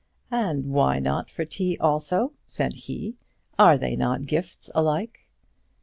"And why not for tea also?" said he. "Are they not gifts alike?"